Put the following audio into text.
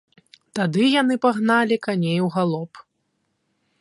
Тады яны пагналі коней у галоп.